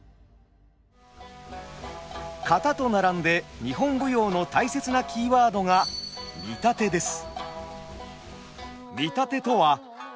「型」と並んで日本舞踊の大切なキーワードが「見立て」です。